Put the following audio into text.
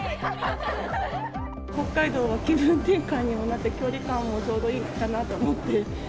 北海道は気分転換にもなって、距離感もちょうどいいかなと思って。